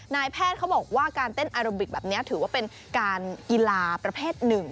นายแพทย์เขาบอกว่าการเต้นอาราบิกแบบนี้ถือว่าเป็นการกีฬาประเภทหนึ่ง